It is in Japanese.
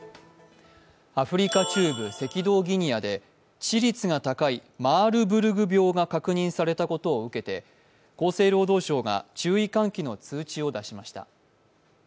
アフリカ中部・赤道ギニアで致死率が高いマールブルグ病が確認されたことを受けて厚生労働省が注意喚起の通知を出しました。